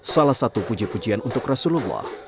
salah satu puji pujian untuk rasulullah